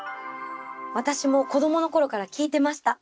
私も子どもの頃から聴いてました。